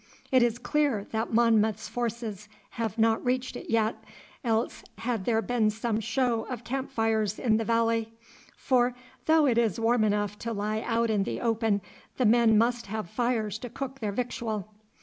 It is clear that Monmouth's forces have not reached it yet, else had there been some show of camp fires in the valley; for though it is warm enough to lie out in the open, the men must have fires to cook their victual.